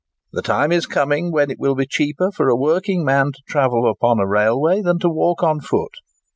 The time is coming when it will be cheaper for a working man to travel upon a railway than to walk on foot.